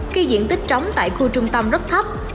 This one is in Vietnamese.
khi diện tích trống tại khu trung tâm rất thấp